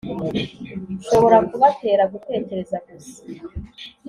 shobora kubatera gutekereza gusa.